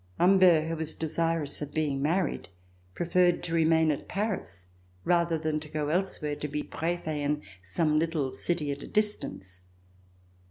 Humbert, wlio was desirous of being married, preferred to remain at Paris rather than to go elsewhere to be Prefet in some little city at a distance.